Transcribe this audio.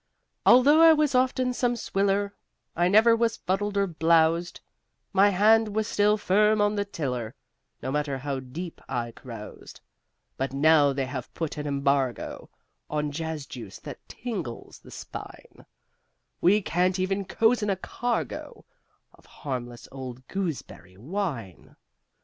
Although I was often some swiller, I never was fuddled or blowsed; My hand was still firm on the tiller, No matter how deep I caroused; But now they have put an embargo On jazz juice that tingles the spine, We can't even cozen a cargo Of harmless old gooseberry wine!